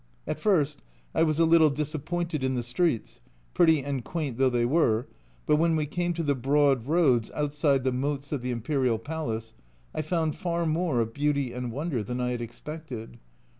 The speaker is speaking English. At first I was a little disappointed in the streets, pretty and quaint though they were, but when we came to the broad roads outside the moats of the X (ci 2 8) I B 2 A Journal from Japan Imperial Palace, I found far more of beauty and wonder than I had expected.